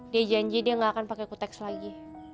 dia janji dia ga akan pake kuteks lagi